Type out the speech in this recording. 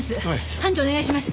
班長お願いします。